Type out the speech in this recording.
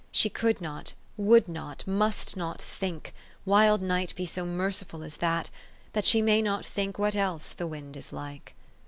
She could not, would not, must not, think wild night, be so merciful as that! that she may not think what else the wind is like.